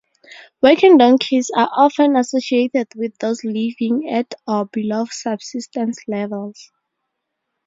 Working donkeys are often associated with those living at or below subsistence levels.